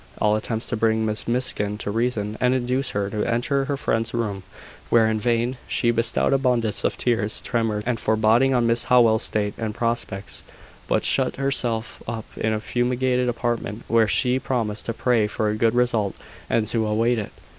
All attempts to bring Miss Miskin to reason, and induce her to enter her friend's room, were in vain. She bestowed abundance of tears, tremors, and foreboding on Mrs Howell's state and prospects, but shut herself up in a fumigated apartment, where she promised to pray for a good result, and to await it.